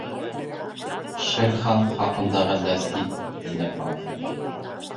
— Шер Хан хаҡындағы ләстит, — тине Маугли.